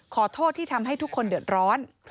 ขอโทษที่ทำให้ทุกคนเดือดร้อน